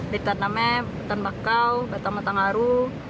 ditanamnya hutan bakau mata mata ngaru